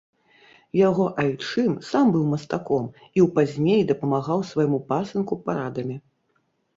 Яго айчым сам быў мастаком, і ў пазней дапамагаў свайму пасынку парадамі.